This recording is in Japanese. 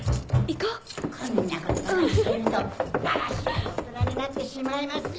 ・こんなことばかりしてるとだらしない大人になってしまいますよ！